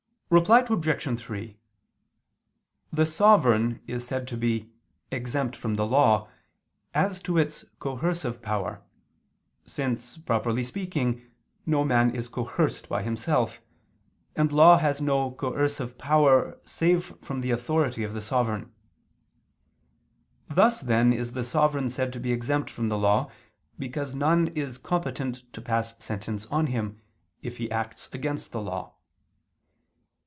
Reply Obj. 3: The sovereign is said to be "exempt from the law," as to its coercive power; since, properly speaking, no man is coerced by himself, and law has no coercive power save from the authority of the sovereign. Thus then is the sovereign said to be exempt from the law, because none is competent to pass sentence on him, if he acts against the law.